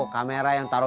kamera yang tau